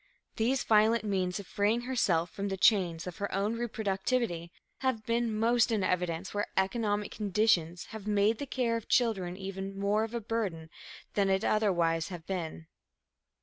These violent means of freeing herself from the chains of her own reproductivity have been most in evidence where economic conditions have made the care of children even more of a burden than it would otherwise have been.